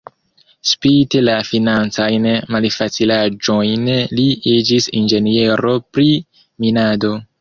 Spite la financajn malfacilaĵojn li iĝis inĝeniero pri minado.